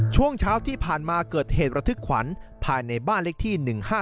ช่วงเช้าที่ผ่านมาเกิดเหตุระทึกขวัญภายในบ้านเลขที่๑๕๗